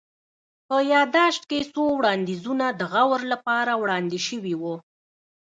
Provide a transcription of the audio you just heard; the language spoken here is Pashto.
په يا ياداشت کي څو وړانديزونه د غور لپاره وړاندي سوي وه